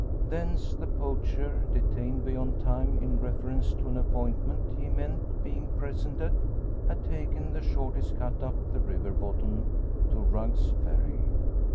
Thence the poacher, detained beyond time in reference to an appointment he meant being present at, had taken the shortest cut up the river bottom to Rugg's Ferry.